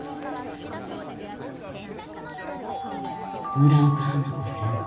「村岡花子先生。